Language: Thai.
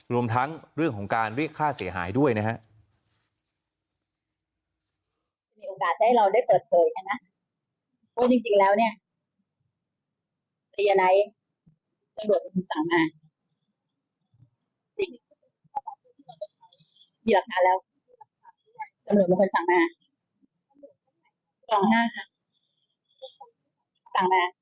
รวมทั้งเรื่องของการเรียกค่าเสียหายด้วยนะครับ